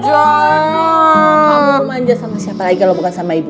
jangan mau manja sama siapa lagi kalau bukan sama ibu